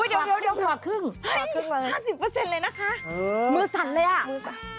เฮ้ยเดี๋ยวหักครึ่ง๕๐เลยนะคะมือสั่นเลยอ่ะ